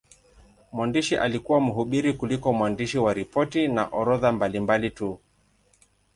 Mwandishi alikuwa mhubiri kuliko mwandishi wa ripoti na orodha mbalimbali tu.